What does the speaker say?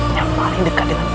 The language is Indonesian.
yang paling dekat dengan